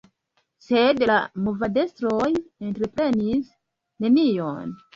Sed la movadestroj entreprenis nenion.